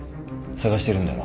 捜してるんだろ？